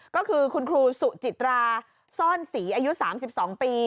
ก็คือคุณครูสุจิตราซ่อนศรีอายุ๓๒ปี